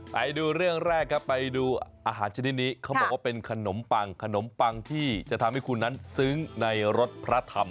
ไปดูเรื่องแรกครับไปดูอาหารชนิดนี้เขาบอกว่าเป็นขนมปังขนมปังที่จะทำให้คุณนั้นซึ้งในรถพระธรรม